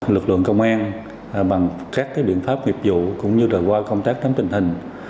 lực lượng công an bằng các biện pháp nghiệp dụ cũng như đòi qua công tác tấm tình hình